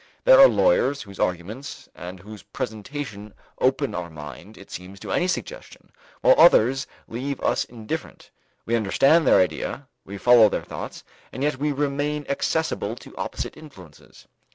There are lawyers whose arguments and whose presentation open our mind, it seems, to any suggestion: while others leave us indifferent; we understand their idea, we follow their thoughts, and yet we remain accessible to opposite influences.